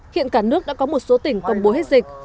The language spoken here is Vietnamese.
hiện cả nước đã có một số tỉnh công bố hết dịch